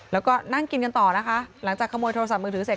แล้วก็นั่งกินกันต่อนะคะหลังจากขโมยโทรศัพท์มือถือเสร็จ